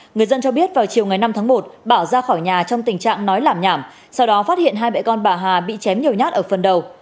người dân cho biết vào chiều ngày năm tháng một bảo ra khỏi nhà trong tình trạng nói làm nhảm sau đó phát hiện hai mẹ con bà hà bị chém nhiều nhát ở phần đầu